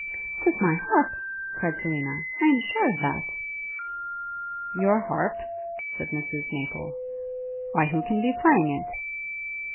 ''Tis my harp!' cried Selina, 'I am sure of that!' 'Your harp?' said Mrs Maple; 'why who can be playing it?'